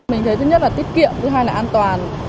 mình thấy thứ nhất là tiết kiệm thứ hai là an toàn